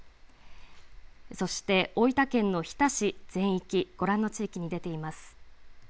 そして大分県の日田市全域ご覧の地域に出ています。